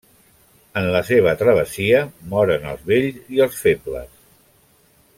En la seva travessia moren els vells i els febles.